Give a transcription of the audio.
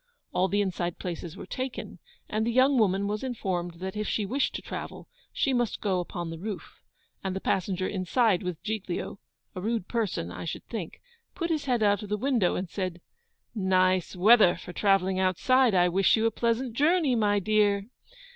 All the inside places were taken, and the young woman was informed that if she wished to travel, she must go upon the roof; and the passenger inside with Giglio (a rude person, I should think), put his head out of the window, and said, 'Nice weather for travelling outside! I wish you a pleasant journey, my dear.